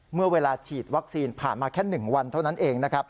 เมื่อเวลาฉีดวัคซีนผ่านมาแค่๑วันเท่านั้นเองนะครับ